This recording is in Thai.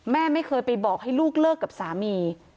แม่ไม่เคยไปบอกให้ลูกเลิกกับสามี